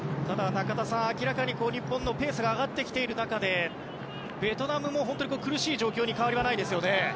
ただ、明らかに日本のペースが上がってきている中でベトナムも本当に苦しい状況に変わりはないですよね。